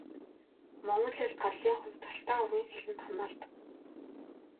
Монгол хэл гарлын хувьд Алтай овгийн хэлэнд хамаардаг.